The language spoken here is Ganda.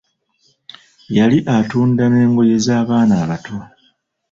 Yali atunda n'engoye z'abaana abato.